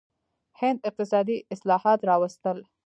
هند اقتصادي اصلاحات راوستل.